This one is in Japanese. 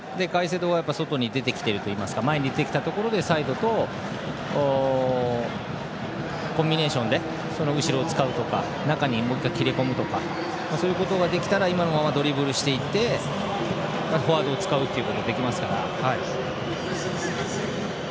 外に出てきているといいますか前に出てきたところでサイドとコンビネーションでその後ろを使うとか中にもっと切れ込むとかそういうことができれば今のままドリブルしていってフォワードを使うことができますから。